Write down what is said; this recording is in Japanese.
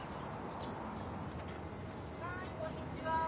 はいこんにちは。